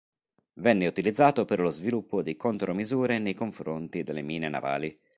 Venne utilizzato per lo sviluppo di contromisure nei confronti delle mine navali.